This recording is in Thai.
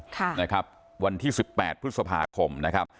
ค่ะนะครับวันที่สิบแปดพฤษภาคมนะครับ